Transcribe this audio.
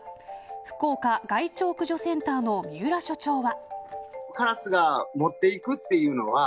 福岡害鳥駆除センターの三浦所長は。